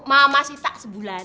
mama sita sebulan